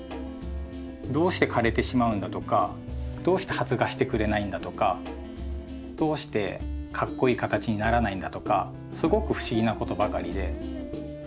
どうして枯れてしまうんだとかどうして発芽してくれないんだとかどうしてかっこイイ形にならないんだとかすごく不思議なことばかりで。